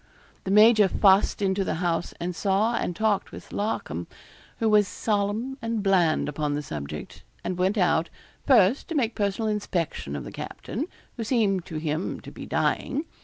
The major fussed into the house, and saw and talked with Larcom, who was solemn and bland upon the subject, and went out, first, to make personal inspection of the captain, who seemed to him to be dying.